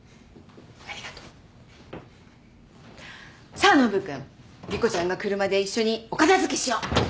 さあノブ君莉湖ちゃんが来るまで一緒にお片付けしよう。